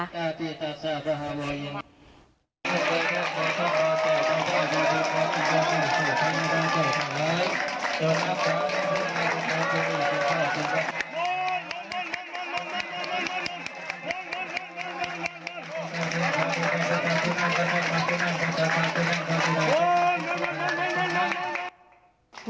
อาเตียตาสาธาราโรยิน